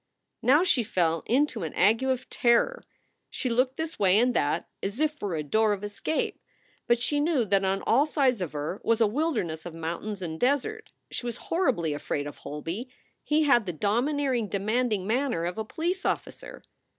Now she fell into an ague of terror. She looked this way and that, as if for a door of escape. But she knew that on all sides of her was a wilderness of mountains and desert. She was horribly afraid of Holby; he had the domineering, demanding manner of a police officer.